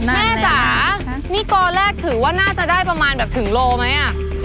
แม่จ๋านี่กอแรกถือว่าน่าจะได้ประมาณแบบถึงโลไหมอ่ะ